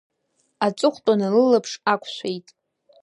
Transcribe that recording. Аҵыхәтәаны лылаԥш ақәшәеит.